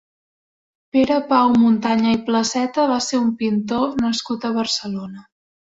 Pere Pau Muntanya i Placeta va ser un pintor nascut a Barcelona.